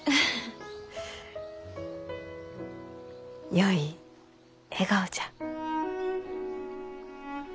よい笑顔じゃ。